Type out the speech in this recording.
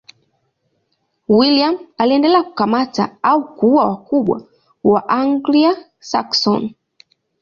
William aliendelea kukamata au kuua wakubwa wa Waanglia-Saksoni.